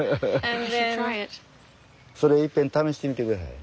それいっぺん試してみて下さい。